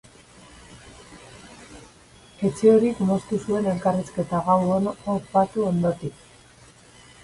Etxehorik moztu zuen elkarrizketa, gau on opatu ondotik.